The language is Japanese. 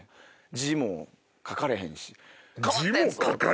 「字も書かれへんし」って。